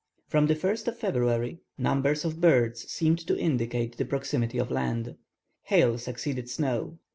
From the 1st of February, numbers of birds seemed to indicate the proximity of land. Hail succeeded snow.